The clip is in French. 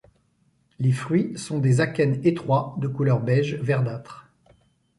Les fruits sont des akènes étroits, de couleur beige verdâtre.